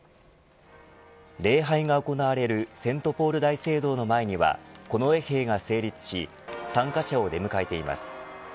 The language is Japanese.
礼拝が行われるセント・ポール大聖堂の前には近衛兵が整列し参加者を出迎えています。